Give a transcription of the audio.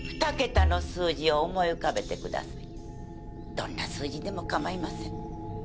どんな数字でも構いません。